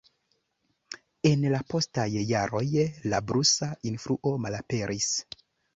En la postaj jaroj la blusa influo malaperis.